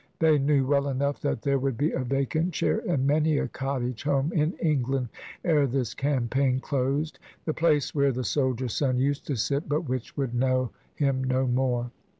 They knew well enough that there would be a vacant chair in many a cottage home in England ere this campaign closed : the place where the soldier son used to sit, but which would know him no more.